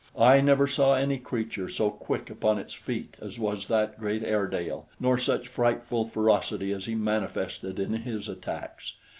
I never saw any creature so quick upon its feet as was that great Airedale, nor such frightful ferocity as he manifested in his attacks.